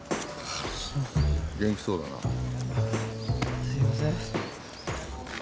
元気そうだな。すいません。